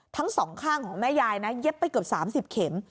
ทั้งสองข้างของแม่ยายนะเย็บไปเกือบ๓๐เข็ม